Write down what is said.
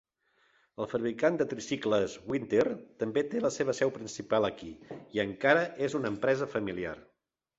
El fabricant de tricicles Winther també té la seva seu principal aquí, i encara és una empresa familiar.